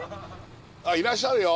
あっいらっしゃるよ。